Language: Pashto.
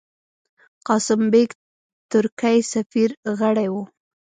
قاسم بېګ، ترکی سفیر، غړی وو.